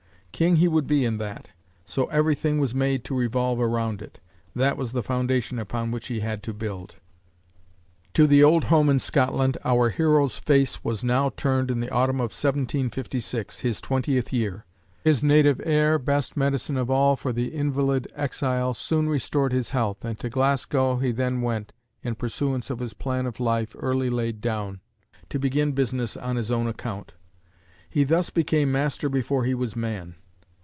King he would be in that, so everything was made to revolve around it. That was the foundation upon which he had to build. To the old home in Scotland our hero's face was now turned in the autumn of 1756, his twentieth year. His native air, best medicine of all for the invalid exile, soon restored his health, and to Glasgow he then went, in pursuance of his plan of life early laid down, to begin business on his own account. He thus became master before he was man.